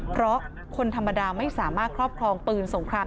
เพราะคนธรรมดาไม่สามารถครอบครองปืนสงคราม